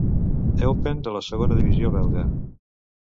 Eupen de la segona divisió belga.